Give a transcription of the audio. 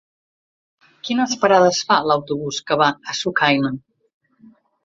Quines parades fa l'autobús que va a Sucaina?